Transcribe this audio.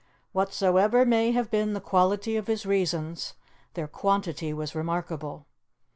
Whatsoever may have been the quality of his reasons, their quantity was remarkable.